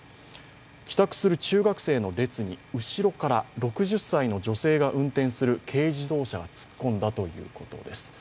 帰宅する中学生の列に後ろから６０歳の女性が運転する軽自動車が突っ込んだということです。